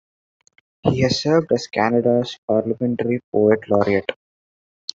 He has served as Canada's Parliamentary Poet Laureate.